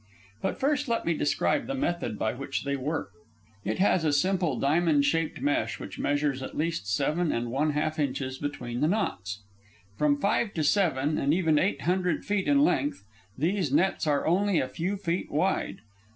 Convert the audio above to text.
But first let me describe the method by which they worked. The net used is what is known as a gill net. It has a simple diamond shaped mesh which measures at least seven and one half inches between the knots. From five to seven and even eight hundred feet in length, these nets are only a few feet wide.